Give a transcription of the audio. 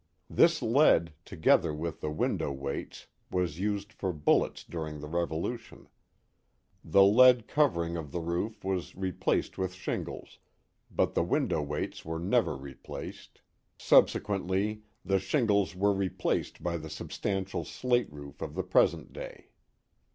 This lead, together with the window weights, was used for bullets during the Revolution. The lead covering of the roof was re placed with shingles, but the window weights were never re placed. Subsequently the shingles were replaced by the substantial slate roof of the present day.